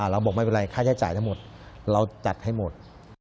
เราบอกไม่เป็นไรค่าใช้จ่ายทั้งหมดเราจัดให้หมด